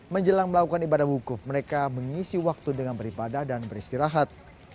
menjelang melakukan ibadah wukuf mereka mengisi waktu dengan beribadah dan beristirahat